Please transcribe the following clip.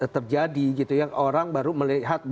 terjadi gitu ya orang baru melihat